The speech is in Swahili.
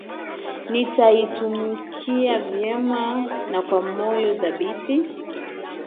nitaitumikia vyema na kwa moyo thabiti